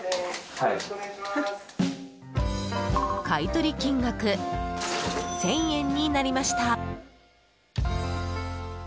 買い取り金額１０００円になりました。